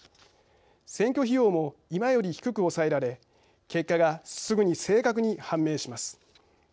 選挙費用も今より低く抑えられ結果がすぐに正確に判明します。